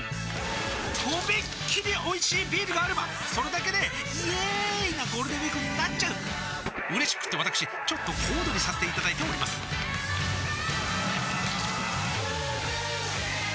とびっきりおいしいビールがあればそれだけでイエーーーーーイなゴールデンウィークになっちゃううれしくってわたくしちょっと小躍りさせていただいておりますさあ